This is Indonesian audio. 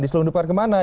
diselundupkan ke mana